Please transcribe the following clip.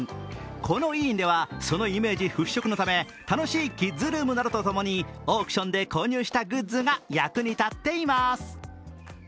この医院ではそのイメージ払拭のため楽しいキッズルームなどとともに、オークションで購入したグッズが役に立っています。